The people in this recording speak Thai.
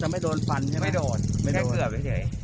อ๋อจะไม่โดนฟันใช่ไหมไม่โดนแค่เกือบไปเฉย